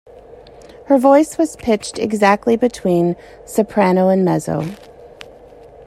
Her voice was pitched exactly between soprano and mezzo.